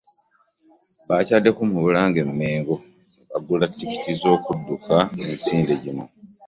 Bakyaddeko mu Bulange Mmengo ne bagula ttikiti z'okudduka emisinde gino